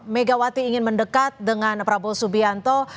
megawati ingin mendekat dengan prabowo subianto